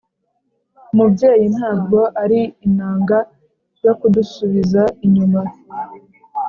“umubyeyi ntabwo ari inanga yo kudusubiza inyuma,